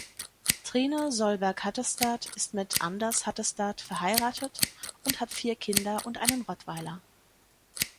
Trine Solberg-Hattestad ist mit Anders Hattestad verheiratet und hat vier Kinder und einen Rottweiler.